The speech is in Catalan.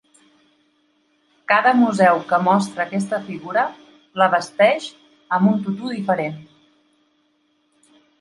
Cada museu que mostra aquesta figura la vesteix amb un tutú diferent.